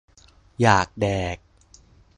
อยากแดก